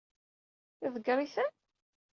Iḍeggeṛ-iten?